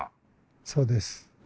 そうです。